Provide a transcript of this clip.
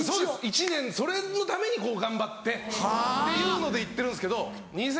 一年それのために頑張ってっていうので行ってるんですけど。